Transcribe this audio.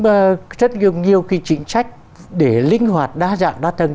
mà rất nhiều nhiều cái chính sách để linh hoạt đa dạng đa tầng